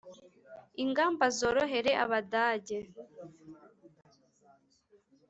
ingamba zorohere abadage